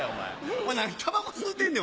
お前何たばこ吸うてんねん。